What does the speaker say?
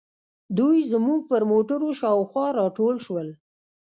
دوی زموږ پر موټرو شاوخوا راټول شول.